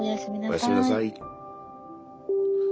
おやすみなさい。